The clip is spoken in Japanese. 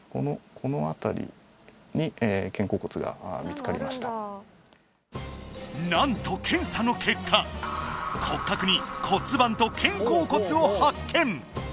このあたりに肩甲骨が見つかりました何と検査の結果骨格に骨盤と肩甲骨を発見！